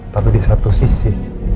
tapi di satu sisi